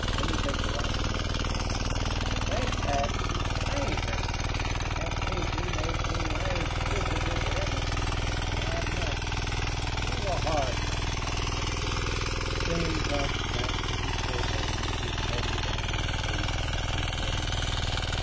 "Let me take the rifle now," he said. "Thanks, lad. I ain't hurted. An' hev Casey make me loife miserable foriver? Not much. He's a harrd mon, thot Casey." Shane crouched back to his port hole, with his bloody bandaged face and his bloody hands.